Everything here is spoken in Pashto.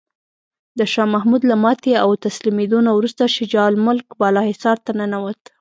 د شاه محمود له ماتې او تسلیمیدو نه وروسته شجاع الملک بالاحصار ته ننوت.